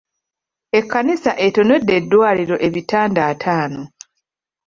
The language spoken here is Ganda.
Ekkanisa ettonedde eddwaliro ebitanda ataano.